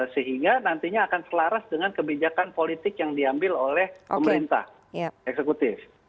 sehingga nantinya akan selaras dengan kebijakan politik yang diambil oleh pemerintah eksekutif